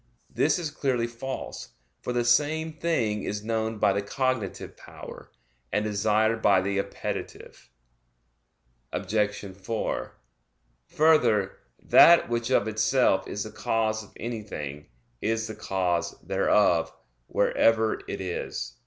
This is clearly false; for the same thing is known by the cognitive power, and desired by the appetitive. Obj. 4: Further, that which of itself is the cause of anything, is the cause thereof, wherever it is.